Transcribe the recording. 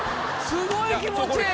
すごい気持ちいい！